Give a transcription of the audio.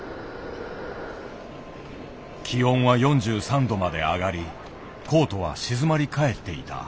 気温は４３度まで上がりコートは静まり返っていた。